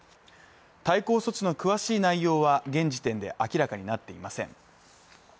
対抗措置の詳しい内容は現時点で明らかになっていません。